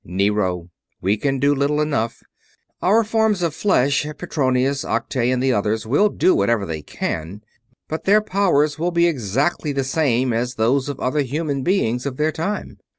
"Nero. We can do little enough. Our forms of flesh Petronius, Acte, and the others will do whatever they can; but their powers will be exactly the same as those of other human beings of their time.